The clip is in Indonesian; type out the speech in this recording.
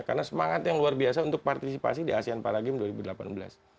karena semangat yang luar biasa untuk partisipasi di asean para games dua ribu delapan belas